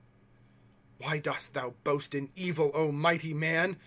1 Why dost thou boast in evil, mighty man